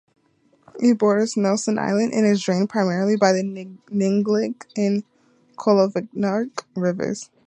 It borders Nelson Island and is drained primarily by the Ninglick and Kolavinarak Rivers.